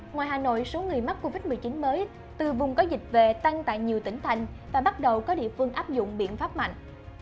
ngoài hà nội số người mắc covid một mươi chín mới từ vùng có dịch về tăng tại nhiều tỉnh thành và bắt đầu có địa phương áp dụng biện pháp mạnh